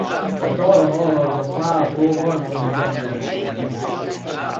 A dal hallható Falco harmadik nagylemezén is.